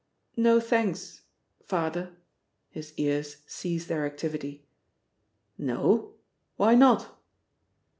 "No thanks ... Father." His ears ceased their activity. "No? Why not?"